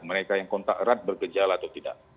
mereka yang kontak erat bergejala atau tidak